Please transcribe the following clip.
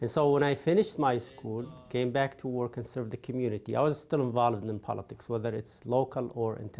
saya berusaha untuk membuat hubungan yang baik dengan orang orang